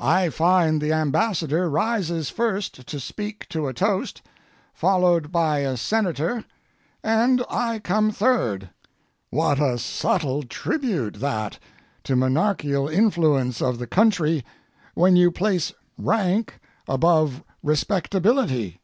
I find the Ambassador rises first to speak to a toast, followed by a Senator, and I come third. What a subtle tribute that to monarchial influence of the country when you place rank above respectability!